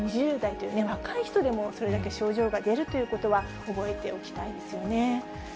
２０代というね、若い人でもそれだけ症状が出るということは覚えておきたいですよね。